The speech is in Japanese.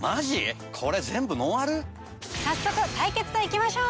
早速対決といきましょう！